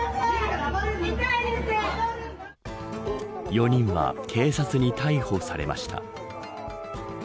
４人は警察に逮捕されました。